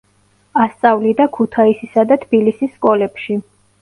ასწავლიდა ქუთაისისა და თბილისის სკოლებში.